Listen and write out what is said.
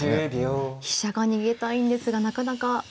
飛車が逃げたいんですがなかなか。